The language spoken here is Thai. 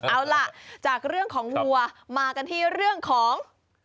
เอาล่ะจากเรื่องของวัวมากันที่เรื่องของ